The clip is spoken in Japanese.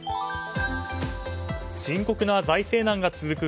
深刻な財政難が続く